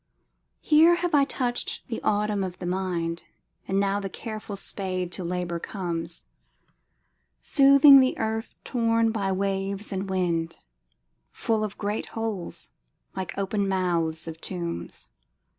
Here have I touched the autumn of the mind; And now the careful spade to labor comes, Smoothing the earth torn by the waves and wind, Full of great holes, like open mouths of tombs.